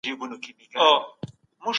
څوک د جبري ودونو مخنیوی کوي؟